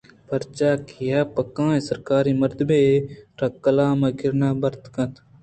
پرچاکہ یک پکائیں سرکاری مردمے آئی ءَ راکلام ءِ کِرّاں برت کنت